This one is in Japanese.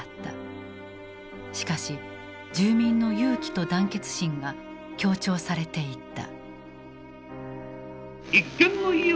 しかし住民の勇気と団結心が強調されていった。